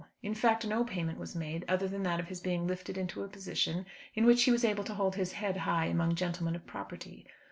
In fact no payment was made, other than that of his being lifted into a position in which he was able to hold his head high among gentlemen of property.